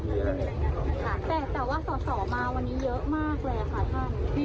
แต่แต่ว่าสอมาวันนี้เยอะมากแหละค่ะท่าน